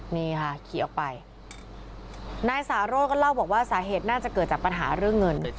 นี่ค่ะขี่ออกไปนายสาโรธก็เล่าบอกว่าสาเหตุน่าจะเกิดจากปัญหาเรื่องเงิน